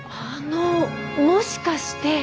あのもしかして。